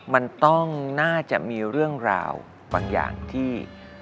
มันต้องน่าจะมีเรื่องราวบางอย่างที่